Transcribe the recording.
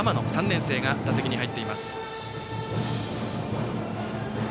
３年生が打席に入っています。